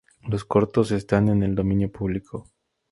Los cortos están en el Dominio Publico.